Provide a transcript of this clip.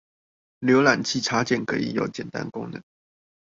瀏覽器插件可以有簡單功能